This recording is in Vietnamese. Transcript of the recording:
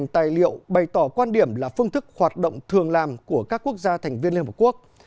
tài liệu bày tỏ quan điểm là phương thức hoạt động thường làm của các quốc gia thành viên liên hợp quốc